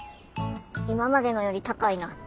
今までのより高いな。